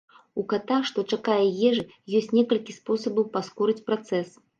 У ката, што чакае ежы, ёсць некалькі спосабаў паскорыць працэс.